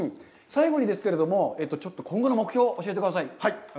最後にですけれども、ちょっと今後の目標を教えてください。